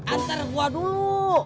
antar gua dulu